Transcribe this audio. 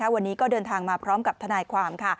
วันนี้ก็เดินทางมาพร้อมกับทนายความค่ะ